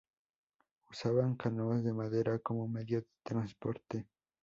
Usaban canoas de madera como medio de transporte.